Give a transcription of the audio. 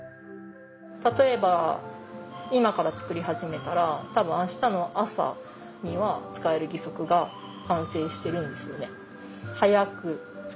例えば今から作り始めたら多分明日の朝には使える義足が完成しているんですよね。